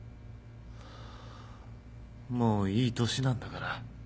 もういい年なんだから。